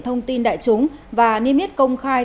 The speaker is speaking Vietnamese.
thông tin đại chúng và niêm yết công khai